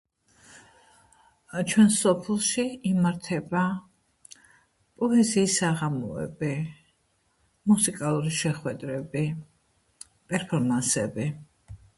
ჩვენს სოფელში იმართება პოეზიის საღამოები, მუსიკალური მუსიკალური შეხვედრები, პერფომანსები.